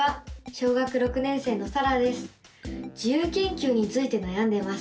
小学６年生のさらです。